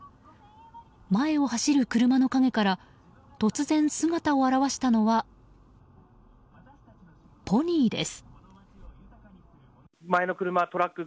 前を走る車の陰から突然、姿を現したのはポニーです。